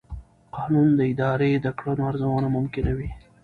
قانون د ادارې د کړنو ارزونه ممکنوي.